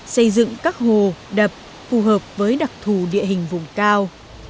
xây dựng các hồ đập phù hợp với đặc thù địa hình vùng cao